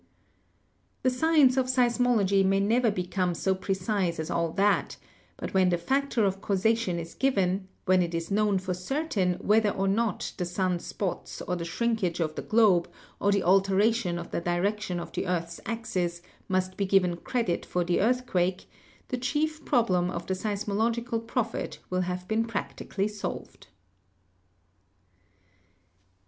The science of seismology may never become so precise as all that, but when the factor of causation is given, when it is known for certain whether or not the sun spots or the shrinkage of the globe or the alteration of the direction of the earth's axis must be given credit for the earthquake, the chief problem of the seismological prophet will have been practically solved.